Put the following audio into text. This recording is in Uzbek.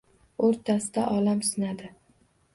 O’rtasida olam sinadi.